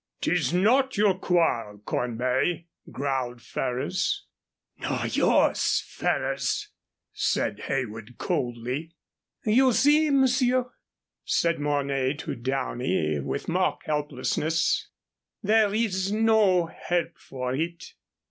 "'Tis not your quarrel, Cornbury," growled Ferrers. "Nor yours, Ferrers," said Heywood, coldly. "You see, monsieur," said Mornay to Downey, with mock helplessness, "there is no help for it."